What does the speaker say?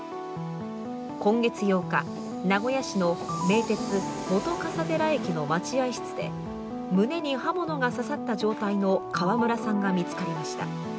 今月８日、名古屋市の名鉄本笠寺駅の待合室で胸に刃物が刺さった状態の川村さんが見つかりました。